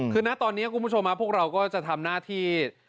คือนะตอนนี้คุณผู้ชมพวกเราก็จะทำหน้าที่